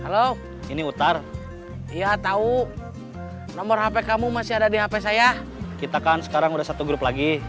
halo ini utar ya tahu nomor hp kamu masih ada di hp saya kita kan sekarang udah satu grup lagi